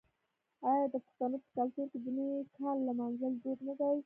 آیا د پښتنو په کلتور کې د نوي کال لمانځل دود نه دی؟